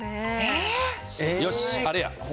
よし、あれや。